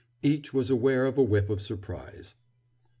Each was aware of a whiff of surprise.